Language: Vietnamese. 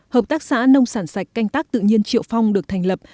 hợp tác xã nông sản sạch canh tác tự nhiên triệu phong được thành lập